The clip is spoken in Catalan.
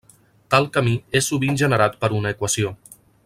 Tal camí és sovint generat per una equació.